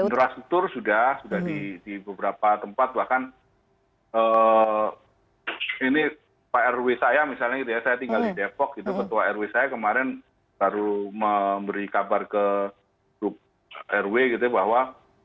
infrastruktur sudah sudah di beberapa tempat bahkan ini pak rw saya misalnya gitu ya saya tinggal di depok gitu ketua rw saya kemarin baru memberi kabar ke grup rw gitu ya bahwa